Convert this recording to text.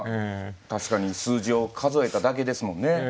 確かに数字を数えただけですもんね。